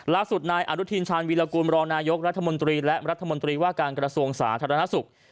ล่าสุดนายอนุทินชาญวีรกูลมรองนายกรัฐมนตรีและรัฐมนตรีว่าการกระทรวงสาธารณสุข